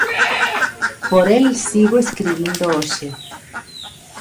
Por el sigo escribindo hoxe.